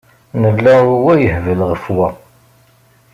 Nella wa yehbel ɣef wa.